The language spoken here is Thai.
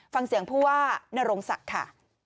ฟังเสียงผู้ว่านโรงศักดิ์ค่ะ